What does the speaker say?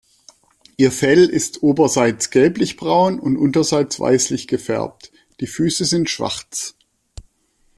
Ihr Fell ist oberseits gelblichbraun und unterseits weißlich gefärbt, die Füße sind schwarz.